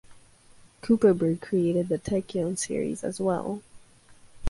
Kupperberg created the "Takion" series as well.